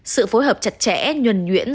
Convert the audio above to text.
sự phối hợp chặt chẽ nhuẩn nhuyễn